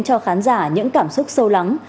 cho khán giả những cảm xúc sâu lắng